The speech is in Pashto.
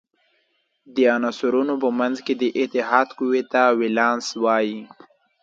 د عنصرونو په منځ کې د اتحاد قوې ته ولانس وايي.